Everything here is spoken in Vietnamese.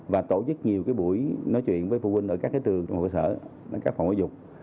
và tổ chức nhiều buổi nói chuyện với phụ huynh ở các trường trung học cơ sở các phòng giáo dục